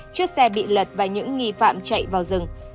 chiếc xe bị lật và những nghi phạm chạy vào rừng